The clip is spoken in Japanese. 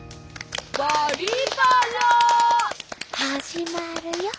始まるよ！